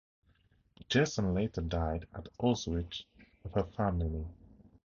Gerson later died at Auschwitz with her family.